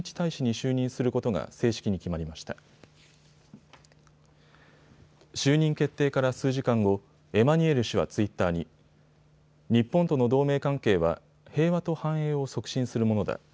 就任決定から数時間後、エマニュエル氏はツイッターに日本との同盟関係は平和と繁栄を促進するものだ。